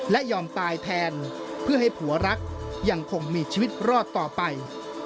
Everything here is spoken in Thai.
และยอมตายแทนเพื่อให้ผัวรักยังคงมีชีวิตรอดต่อไป